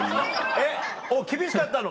えっ厳しかったの？